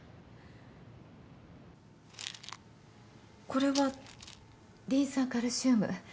これは？リン酸カルシウム。